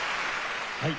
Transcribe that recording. はい。